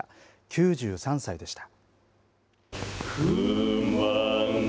９３歳でした。